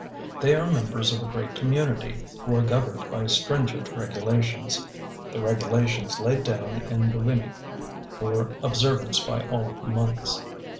They are members of a great community, who are governed by stringent regulations the regulations laid down in the Wini for observance by all monks.